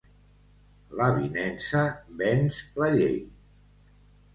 L'avinença venç la llei.